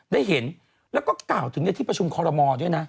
ได้เห็นแล้วก็กล่าวถึงในที่ประชุมคอรมอลด้วยนะ